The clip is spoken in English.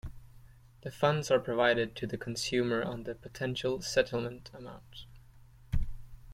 The funds are provided to the consumer on the potential settlement amount.